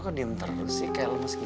kok dinter sih kayak lo masih gitu